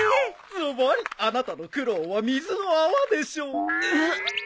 ズバリあなたの苦労は水の泡でしょう。